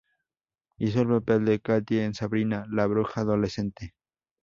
Hizo el papel de Katie en Sabrina, La Bruja Adolescente.